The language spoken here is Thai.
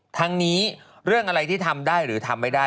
ทั้งนี้เรื่องอะไรที่ทำได้หรือทำไม่ได้